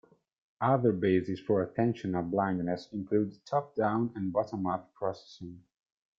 Other bases for attentional blindness include top down and bottom up processing.